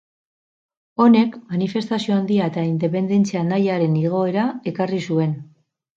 Honek manifestazio handia eta independentzia-nahiaren igoera ekarri zuen.